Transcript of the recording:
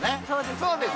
そうです。